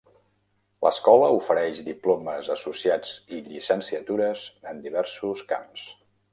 L'escola ofereix diplomes associats i llicenciatures en diversos camps.